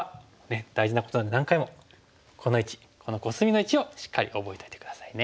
大事なことなんで何回もこの位置このコスミの位置をしっかり覚えといて下さいね。